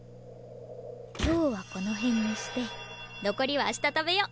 今日はこの辺にして残りは明日食べよう。